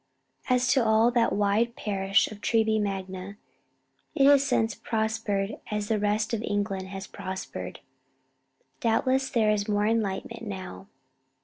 As to all that wide parish of Treby Magna, it has since prospered as the rest of England has prospered. Doubtless there is more enlightenment now.